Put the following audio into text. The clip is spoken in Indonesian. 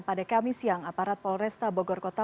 pada kamis siang aparat polresta bogor kota